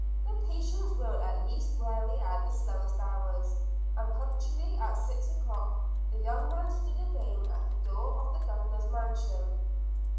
But patience will at last weary out the slowest hours; and punctually at six o'clock, the young man stood again at the door of the Governor's mansion.